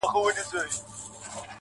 • د ښویېدلي سړي لوري د هُدا لوري.